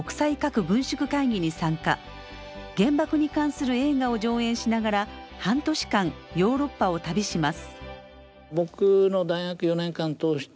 原爆に関する映画を上演しながら半年間ヨーロッパを旅します。